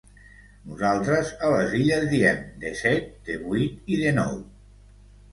Nosaltres a les Illes diem desset, devuit i denou.